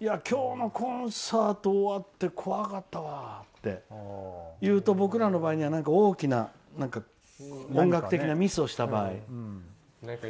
今日もコンサート終わって怖かったわって言うと僕らの場合では音楽的なミスをした場合。